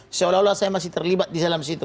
insya allah saya masih terlibat di dalam situ